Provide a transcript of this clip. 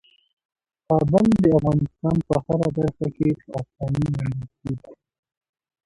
کابل د افغانستان په هره برخه کې په اسانۍ موندل کېږي.